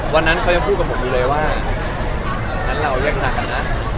วันนั้นเขายังพูดกับผมดูเลยว่าฉะนั้นเราอยากน่ากันนะ